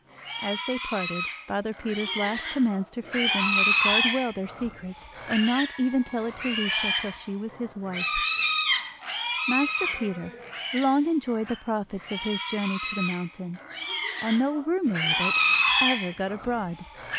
As they parted, father Peter's last commands to Friedlin were to guard well their secret, and not even to tell it to Lucia till she was his wife. Master Peter long enjoyed the profits of his journey to the mountain, and no rumour of it ever got abroad.